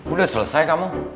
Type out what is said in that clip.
udah selesai kamu